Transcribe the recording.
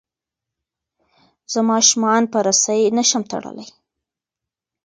زه ماشومان په رسۍ نه شم تړلی.